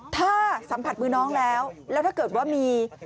ถ้าสัมผัสมือน้องแล้วแล้วถ้าเกิดว่ามี